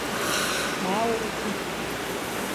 Maa wok ki.